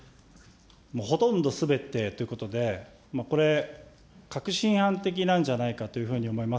もうほとんどすべてということで、これ、確信犯的なんじゃないかというふうに思います。